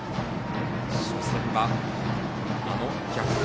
初戦はあの逆転